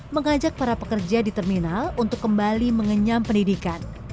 mengajak para pekerja di terminal untuk kembali mengenyam pendidikan